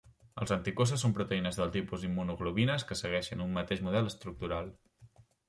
Els anticossos són proteïnes del tipus immunoglobulines que segueixen un mateix model estructural.